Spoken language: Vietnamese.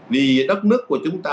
vì đất nước của chúng ta